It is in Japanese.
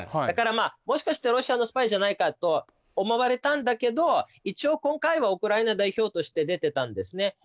だからもしかしたらロシアのスパイじゃないかと思われたんだけど一応今回はウクライナ代表として出てたんですね。